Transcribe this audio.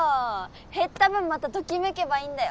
減った分またときめけばいいんだよ。